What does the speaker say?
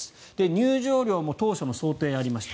入場料も当初の想定がありました。